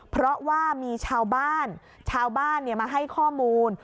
เพราะว่ามีชาวบ้านมาให้ข้อมูล